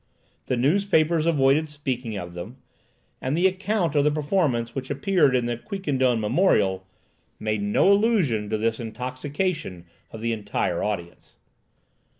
The newspapers avoided speaking of them, and the account of the performance which appeared in the "Quiquendone Memorial," made no allusion to this intoxication of the entire audience.